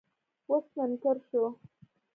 اوس منکر شو.